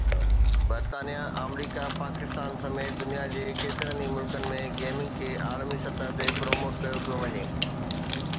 برطانيا، آمريڪا، پاڪستان سميت دنيا جي ڪيترن ئي ملڪن ۾ گيمنگ کي عالمي سطح تي پروموٽ ڪيو پيو وڃي